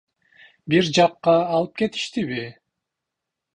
Бир жакка алып кетишеби?